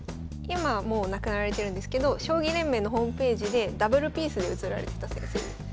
今はもう亡くなられてるんですけど将棋連盟のホームページでダブルピースで写られてた先生。